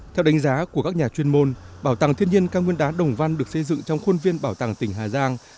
theo đánh giá của các nhà chuyên môn bảo tàng thiên nhiên cao nguyên đá đồng văn được xây dựng trong khuôn viên bảo tàng tỉnh hà giang